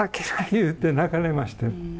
いうて泣かれまして。